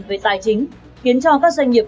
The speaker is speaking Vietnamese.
với tài chính khiến cho các doanh nghiệp